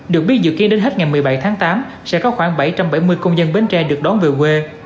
được biết dự kiến đến hết ngày một mươi bảy tháng tám sẽ có khoảng bảy trăm bảy mươi công dân bến tre được đón về quê